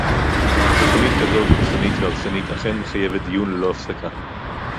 תוכנית כזאת דורסנית והרסנית אכן מחייבת דיון ללא הפסקה